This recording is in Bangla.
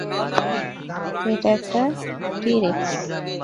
এটা একটা টি-রেক্স।